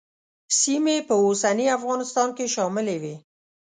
سیمې په اوسني افغانستان کې شاملې وې.